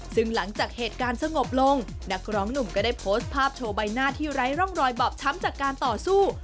ซึ่งหลังจากเหตุการณ์สงบลงนักร้องหนุ่มก็ได้โพสต์ภาพโชว์ใบหน้าที่ไร้ร่องรอยบอบช้ำจากการต่อสู้